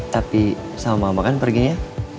tapi sama mama kan perginya